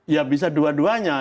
ya bisa dua duanya